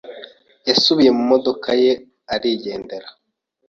yasubiye mu modoka ye arigendera.